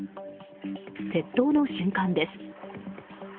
窃盗の瞬間です。